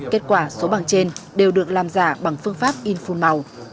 kết quả số bằng trên đều được làm giả bằng phương pháp in phôn màu